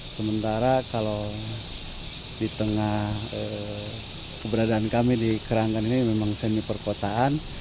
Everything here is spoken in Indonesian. sementara kalau di tengah keberadaan kami di keranggan ini memang seni perkotaan